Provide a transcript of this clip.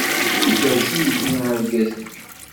Ikerrec uydi argaz-nni.